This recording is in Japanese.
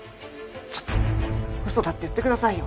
ちょっとウソだって言ってくださいよ。